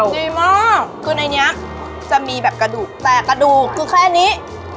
ดีมากคือในนี้จะมีแบบกระดูกแต่กระดูกคือแค่นี้